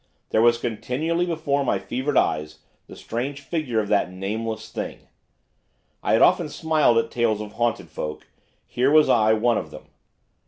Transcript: There was continually before my fevered eyes the strange figure of that Nameless Thing. I had often smiled at tales of haunted folk, here was I one of them.